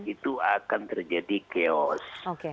itu akan terjadi chaos